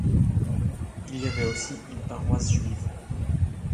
Il y avait aussi une paroisse juive.